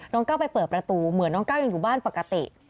ก้าวไปเปิดประตูเหมือนน้องก้าวยังอยู่บ้านปกติ